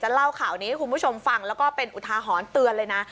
เล่าข่าวนี้ให้คุณผู้ชมฟังแล้วก็เป็นอุทาหรณ์เตือนเลยนะ